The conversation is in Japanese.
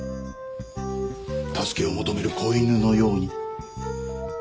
助けを求める子犬のように。